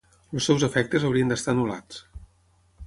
Els seus efectes haurien d'estar anul·lats.